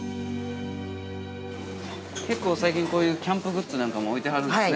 ◆結構、最近こういうキャンプグッズなんかも置いてはるんですね。